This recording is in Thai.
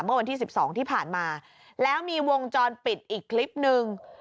เมื่อวันที่๑๒ที่ผ่านมาแล้วมีวงจรปิดอีกคลิปนึง